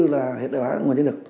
là hiện đại hóa nguồn nhân lực